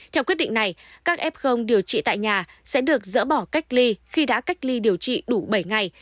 theo quyết định này các f điều trị tại nhà sẽ được dỡ bỏ cách ly khi đã cách ly điều trị đủ bảy ngày